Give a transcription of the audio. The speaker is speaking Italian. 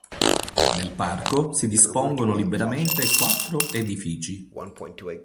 Nel parco si dispongono liberamente quattro edifici.